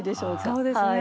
そうですね。